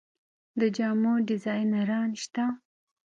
د جامو ډیزاینران شته؟